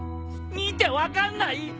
見て分かんない！？